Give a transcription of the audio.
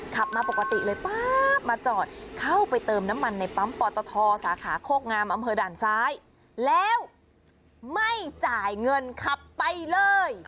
ขับมาปกติเลยป๊าบมาจอดเข้าไปเติมน้ำมันในปั๊มปอตทสาขาโคกงามอำเภอด่านซ้ายแล้วไม่จ่ายเงินขับไปเลย